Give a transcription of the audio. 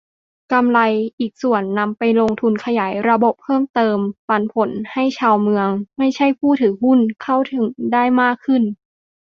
กำไรอีกส่วนนำไปลงทุนขยายระบบเพิ่มเติม "ปันผล" ให้ชาวเมือง ไม่ใช่ผู้ถือหุ้น เข้าถึงได้มากขึ้น